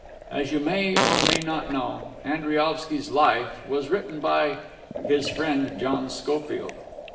As you may or may not know, Andriaovsky's "Life" is written by "his friend John Schofield."